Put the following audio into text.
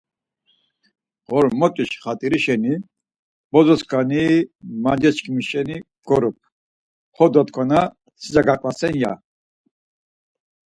Ğormotiş xat̆iri şeni bozo skani mance çkimi şeni bgorum, ho dotkvana sica gavasen ya.